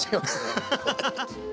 アハハハ！